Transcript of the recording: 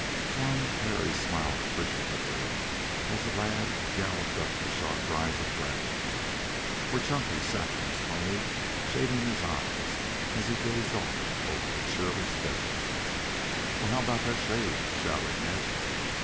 Tom Parry smiled appreciatively as the lad galloped up the sharp rise of ground, where Chunky sat on his pony, shading his eyes as he gazed off over the cheerless desert. "Well, how about that shade?" shouted Ned.